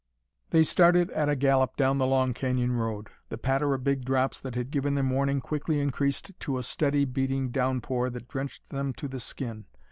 They started at a gallop down the long canyon road. The patter of big drops that had given them warning quickly increased to a steady, beating downpour that drenched them to the skin.